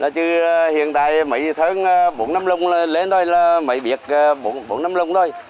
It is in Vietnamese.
chứ hiện tại mấy tháng bốn năm lồng lên thôi là mấy biệt bốn năm lồng thôi